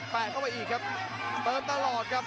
ประโยชน์ทอตอร์จานแสนชัยกับยานิลลาลีนี่ครับ